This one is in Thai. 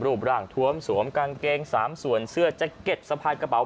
รูปร่างทวมสวมกางเกง๓ส่วนเสื้อแจ็คเก็ตสะพายกระเป๋า